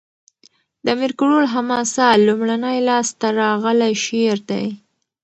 د امیر کروړ حماسه؛ لومړنی لاس ته راغلی شعر دﺉ.